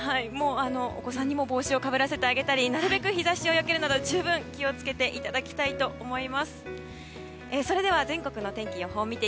お子さんにも帽子をかぶらせげてあげたり日差しをよけて十分気を付けていただきたいと思います。